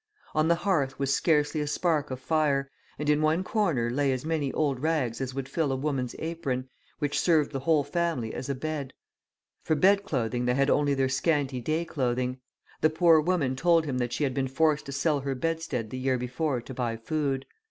On the hearth was scarcely a spark of fire, and in one corner lay as many old rags as would fill a woman's apron, which served the whole family as a bed. For bed clothing they had only their scanty day clothing. The poor woman told him that she had been forced to sell her bedstead the year before to buy food.